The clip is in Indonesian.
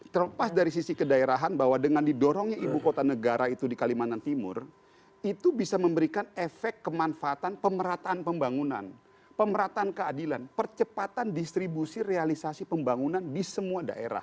terlepas dari sisi kedaerahan bahwa dengan didorongnya ibu kota negara itu di kalimantan timur itu bisa memberikan efek kemanfaatan pemerataan pembangunan pemerataan keadilan percepatan distribusi realisasi pembangunan di semua daerah